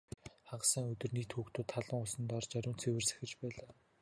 Хагас сайн өдөр нийт хүүхдүүд халуун усанд орж ариун цэвэр сахиж байлаа.